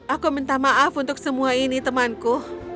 aku minta maaf untuk semua ini temanku